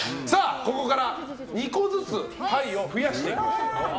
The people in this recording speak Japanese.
ここから２個ずつ牌を増やしていきます。